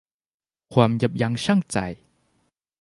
ความยับยั้งชั่งใจ